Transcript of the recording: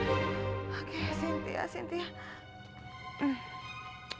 oke sintia sintia